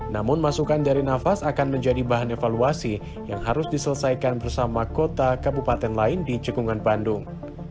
namun masukan dari nafas akan menjadi bahan evaluasi yang harus diselesaikan bersama kota kabupaten lain di cekungan bandung